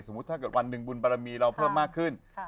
สมมุติวันหนึ่งบุญปารามีเราเพิ่มมากขึ้น